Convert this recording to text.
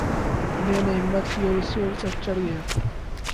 میں نے ہمت کی اور سٹیج پر چڑھ گیا